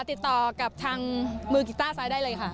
ติดต่อกับทางมือกีต้าซ้ายได้เลยค่ะ